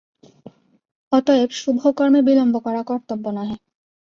অতএব শুভ কর্মে বিলম্ব করা কর্তব্য নহে।